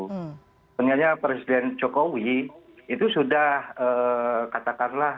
sebenarnya presiden jokowi itu sudah katakanlah